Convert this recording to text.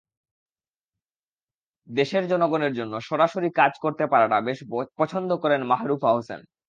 দেশের জনগণের জন্য সরাসরি কাজ করতে পারাটা বেশ পছন্দ করেন মাহরুফা হোসেন।